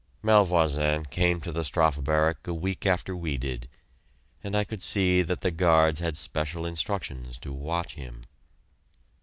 Malvoisin came to the Strafe Barrack a week after we did, and I could see that the guards had special instructions to watch him.